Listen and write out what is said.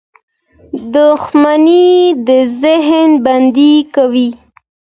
• دښمني د ذهن بندي کوي.